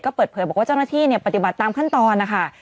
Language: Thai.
ก็เปิดเผยบอกว่าเจ้าหน้าที่ปฏิบัติตามขั้นตอนนะคะ